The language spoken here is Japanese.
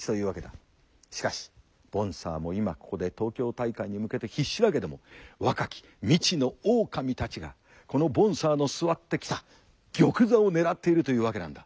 しかしボンサーも今ここで東京大会に向けて必死だけども若き未知の狼たちがこのボンサーの座ってきた玉座を狙っているというわけなんだ。